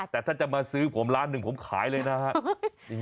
แต่ถ้าจะมาซื้อผม๑ล้านผมขายเลยนะครับ